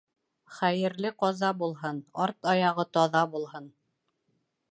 Хәйерле ҡаза булһын, арт аяғы таҙа булһын.